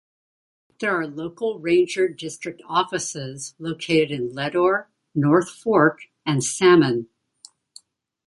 There are local ranger district offices located in Leadore, North Fork, and Salmon.